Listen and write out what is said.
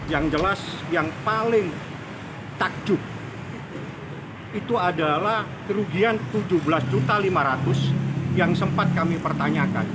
yang jelas yang paling takjub itu adalah kerugian rp tujuh belas lima ratus yang sempat kami pertanyakan